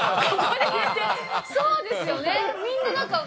そうですよね。